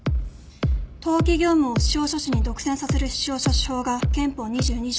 登記業務を司法書士に独占させる司法書士法が憲法２２条